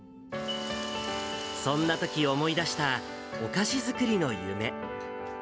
そんなとき思い出したお菓子作りの夢。